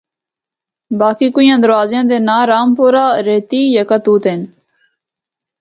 باقی کوئیاں دروازے دے ناں رامپورہ، ریتی، یکہ توت ہن۔